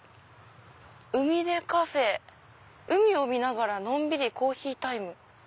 「海ｄｅＣＡＦＥ海を見ながらのんびりコーヒータイム」。